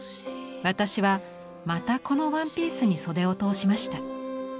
私はまたこのワンピースに袖を通しました。